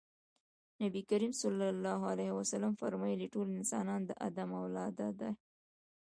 نبي کريم ص وفرمايل ټول انسانان د ادم اولاده دي.